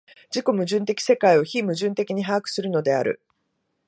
自己矛盾的世界を非矛盾的に把握するのである。